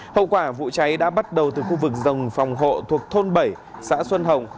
hậu quả vụ cháy đã bắt đầu từ khu vực dòng phòng hộ thuộc thôn bảy xã xuân hồng